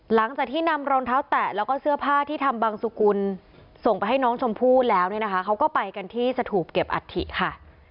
หลังจากที่นำรองเท้าแตะแล้วก็เสื้อผ้าที่ทำบังสุกุลส่งไปให้น้องชมพู่แล้วเนี่ยนะคะเขาก็ไปกันที่สถูปเก็บอัฐิค่ะ